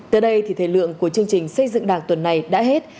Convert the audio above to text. tới đây thì thời lượng của chương trình xây dựng đảng tuần này đã hết